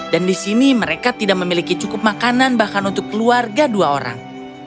dan di sini mereka tidak memiliki cukup makanan bahkan untuk keluarga dua orang